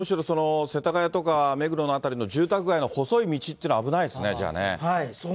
東京都心よりもむしろ世田谷とか目黒の辺りの住宅街の細い道っていうのは、危ないですね、じゃあね。